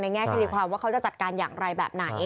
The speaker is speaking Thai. แง่คดีความว่าเขาจะจัดการอย่างไรแบบไหน